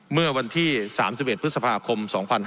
เมื่อวันที่๓๑พฤษภาคม๒๕๕๙